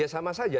ya sama saja